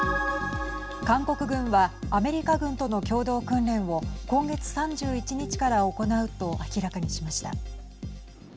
韓国軍はアメリカ軍との共同訓練を今月３１日から行うと明らかにしました。